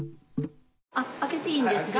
開けていいんですか？